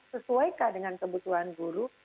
sesuaikan dengan kebutuhan guru